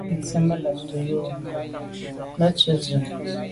A fi tsə. Mə lὰbtə̌ Wʉ̌ yò ghò Mə tswə ntʉ̀n.